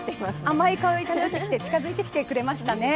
甘い香りと一緒に近づいてきてくれましたね。